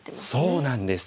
そうなんです。